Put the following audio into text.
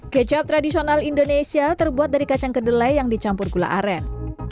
kecap tradisional indonesia terbuat dari kacang kedelai yang dicampur gula aren